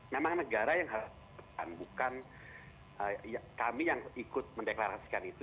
memang negara yang harus bukan kami yang ikut mendeklarasikan itu